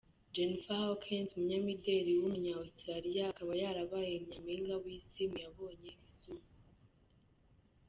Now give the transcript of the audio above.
Jennifer Hawkins, umunyamideli w’umunya Australia akaba yarabaye nyampinga w’isi mu yabonye izuba.